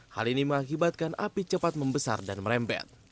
hal ini mengakibatkan api cepat membesar dan merembet